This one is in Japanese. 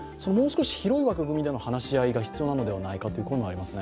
もう少し広い枠組みでの話し合いが必要なのではないかと。